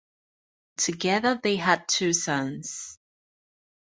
Together they had two sons.